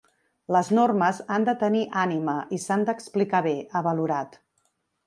“Les normes han de tenir ànima i s’han d’explicar bé”, ha valorat.